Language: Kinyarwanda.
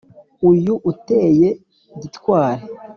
uyu uteye gitwari